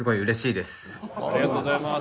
ありがとうございます。